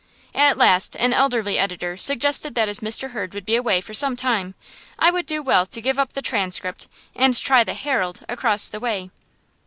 At last an elderly editor suggested that as Mr. Hurd would be away for some time, I would do well to give up the "Transcript" and try the "Herald," across the way.